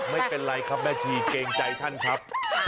ไม่เป็นไรครับแม่ชีเกรงใจท่านครับ